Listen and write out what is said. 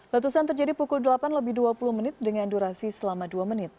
letusan terjadi pukul delapan lebih dua puluh menit dengan durasi selama dua menit